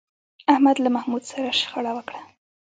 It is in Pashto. احمد له محمود سره شخړه وکړه